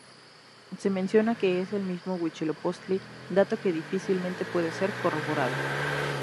Se menciona que es el mismo Huitzilopochtli, dato que difícilmente puede ser corroborado.